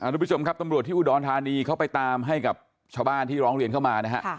ทุกผู้ชมครับตำรวจที่อุดรธานีเขาไปตามให้กับชาวบ้านที่ร้องเรียนเข้ามานะฮะ